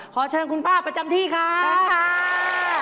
ขอเชิญคุณป้าประจำที่ค่ะนะคะก็ได้ครับ